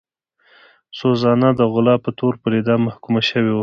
سوزانا د غلا په تور پر اعدام محکومه شوې وه.